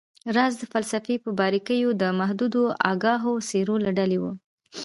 راز د فلسفې پر باریکیو د محدودو آګاهو څیرو له ډلې نه و